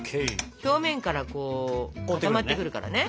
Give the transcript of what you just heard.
表面からこう固まってくるからね。